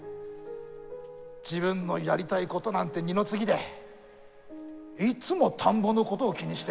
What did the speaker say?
自分のやりたいことなんて二の次でいっつも田んぼのことを気にして。